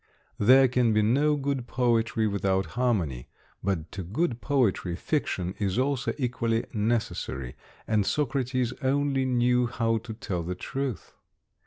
There can be no good poetry without harmony; but to good poetry fiction is also equally necessary, and Socrates only knew how to tell the truth.